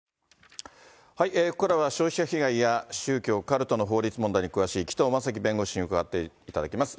ここからは消費者被害や宗教、カルトの法律問題に詳しい紀藤正樹弁護士に伺っていただきます。